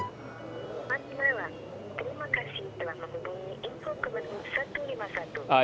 mak mada terima kasih telah menghubungi info kebenaran satu ratus lima puluh satu